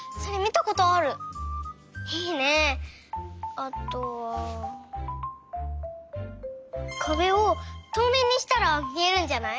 あとはかべをとうめいにしたらみえるんじゃない？